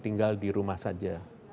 tinggal di rumah saja